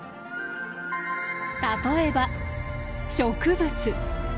例えば植物。